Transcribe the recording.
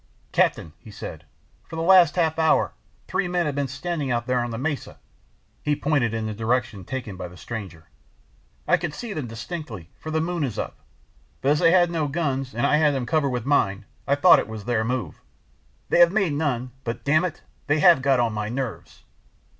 "Captain," he said, "for the last half hour three men have been standing out there on the mesa." He pointed in the direction taken by the stranger. "I could see them distinctly, for the moon is up, but as they had no guns and I had them covered with mine I thought it was their move. They have made none, but, damn it! they have got on to my nerves."